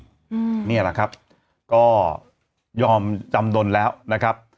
นี่แหละครับก็ยอมจำนวนแล้วนะครับ